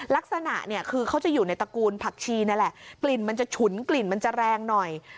ลักษณะเนี่ยคือเขาจะอยู่ในตระกูลผักชีนั่นแหละกลิ่นมันจะฉุนกลิ่นมันจะแรงหน่อย